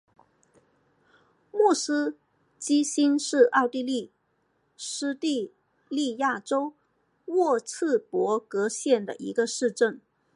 莫斯基兴是奥地利施蒂利亚州沃茨伯格县的一个市镇。